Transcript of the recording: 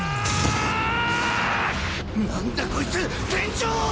何だこいつ天井を！